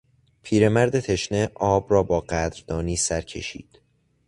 پیرمرد تشنه آب را با قدردانی سرکشید.